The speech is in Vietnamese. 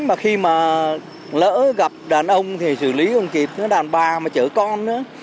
mà khi mà lỡ gặp đàn ông thì xử lý không kịp nó đàn bà mà chở con đó